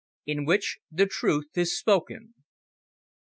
IN WHICH THE TRUTH IS SPOKEN.